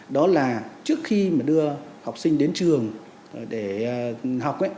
đó là trước khi mà đưa học sinh đến trường để học